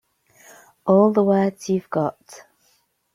All the words you've got.